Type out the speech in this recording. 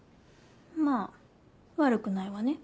まあ悪くないわね。